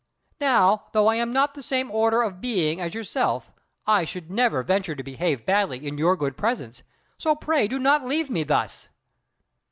Now, though I am not the same order of being as yourself, I should never venture to behave badly in your good presence; so pray do not leave me thus."